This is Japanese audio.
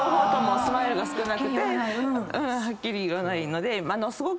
スマイルが少なくてはっきり言わないのですごく。